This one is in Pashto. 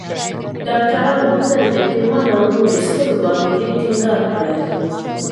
ډاکترانو تل د پرېمانه اوبو په څښلو باندې ډېر ټینګار کړی دی.